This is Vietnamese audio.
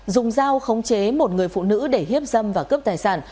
dùng dao khống chế một người phụ nữ để hiếp dâm và cướp tài sản